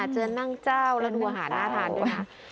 เจอนั่งเจ้าแล้วดูอาหารน่าทานด้วยค่ะ